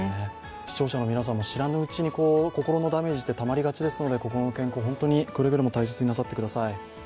視聴者の皆さんも知らぬうちに心のダメージがたまりがちですので、心の健康くれぐれも大切になさってください。